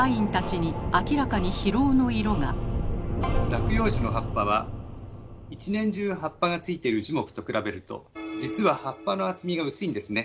落葉樹の葉っぱは一年中葉っぱがついている樹木と比べるとじつは葉っぱの厚みが薄いんですね。